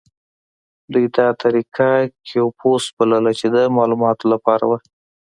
دوی دا طریقه کیوپوس بلله چې د معلوماتو لپاره وه.